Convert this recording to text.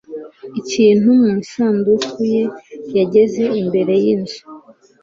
ikintu mu isanduku ye. yageze imbere y'inzu